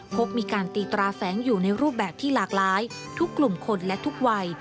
พบมีการตีตราแฝงอยู่ในรูปแบบที่หลากหลายทุกกลุ่มคนและทุกวัย